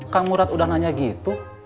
kang murad udah nanya gitu